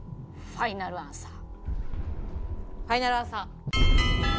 ファイナルアンサー。